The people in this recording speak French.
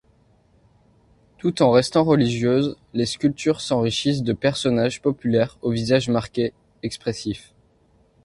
Tout en restant religieuse, les sculptures s’enrichissent de personnages populaires aux visages marqués, expressifs.